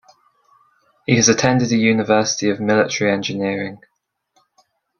He has attended a university of military engineering.